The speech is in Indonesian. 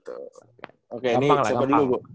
oke ini siapa dulu bu